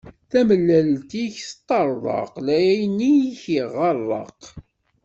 Tamellalt-ik teṭṭeṛḍeq, lɛin-ik iɣeṛṛeq.